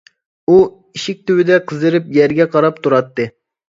ئۇ ئىشىك تۈۋىدە قىزىرىپ يەرگە قاراپ تۇراتتى.